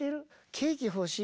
ケーキ欲しい？